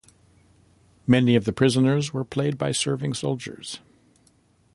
Many of the prisoners were played by serving soldiers.